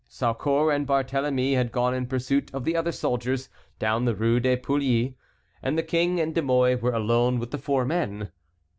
Saucourt and Barthélemy had gone in pursuit of the other soldiers, down the Rue des Poulies, and the king and De Mouy were alone with the four men.